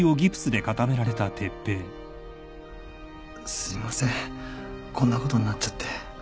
すいませんこんなことになっちゃって。